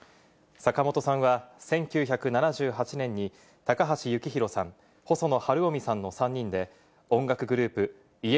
坂本さんは１９７８年に高橋幸宏さん、細野晴臣さんの３人で音楽グループ